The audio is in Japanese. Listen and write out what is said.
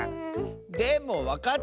でもわかったかも！